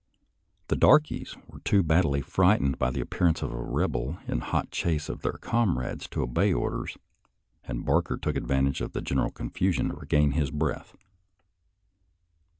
The darkies were too badly frightened by the appearance of a Eebel in hot chase of their comrades, to obey orders, and Barker took advantage of the general confusion to regain his breath.